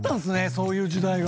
そういう時代が。